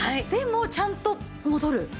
でもちゃんと戻る。